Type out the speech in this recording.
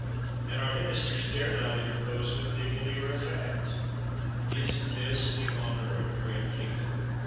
— and our ministers dare not in terpose with dignity or effect. Is this the honor of a great kingdom